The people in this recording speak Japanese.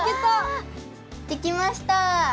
できました！